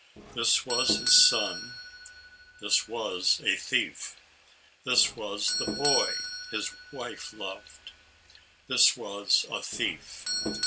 This was his son; this was a thief. This was the boy whom his wife loved; this was a thief.